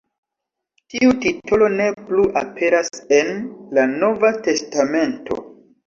Tiu titolo ne plu aperas en la Nova Testamento.